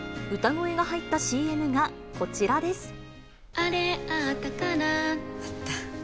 歌声が入ったＣＭがこちらです。